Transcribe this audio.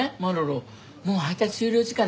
もう配達終了時間でしょ？